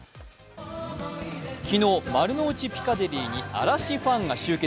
昨日、丸の内ピカデリーに嵐ファンが集結。